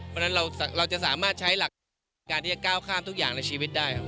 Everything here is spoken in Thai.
เพราะฉะนั้นเราจะสามารถใช้หลักการที่จะก้าวข้ามทุกอย่างในชีวิตได้ครับ